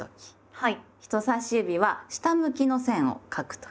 はい。